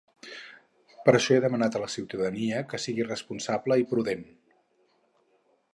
Per això ha demanat a la ciutadania que sigui responsable i prudent.